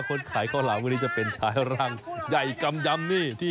คนขายข้าวหลามวันนี้จะเป็นชายร่างใหญ่กำยำนี่